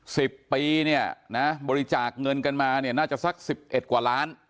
สิบปีเนี่ยนะบริจาคเงินกันมาเนี่ยน่าจะสักสิบเอ็ดกว่าล้าน